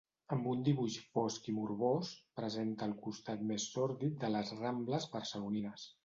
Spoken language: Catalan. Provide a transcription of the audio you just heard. Amb un dibuix fosc i morbós, presenta el costat més sòrdid de les Rambles barcelonines.